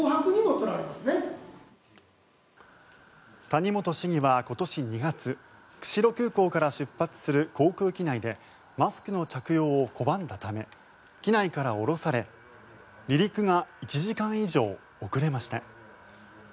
谷本市議は今年２月釧路空港から出発する航空機内でマスクの着用を拒んだため機内から降ろされ離陸が１時間以上遅れました。